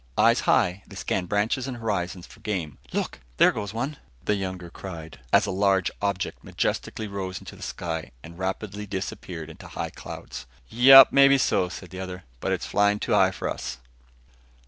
Eyes high, they scanned branches and horizons for game. "Look, there goes one," the younger cried as a large dark object majestically rose into the sky and rapidly disappeared into high clouds. "Yup, maybe so," said the other. "But it's flying too high for us."